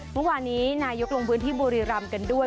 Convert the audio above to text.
เมื่อวานนี้นายกลงพื้นที่บุรีรำกันด้วย